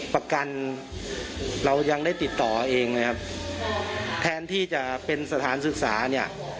ประกันเรายังได้ติดต่อเองเลยครับแทนที่จะเป็นสถานศึกษาเนี่ย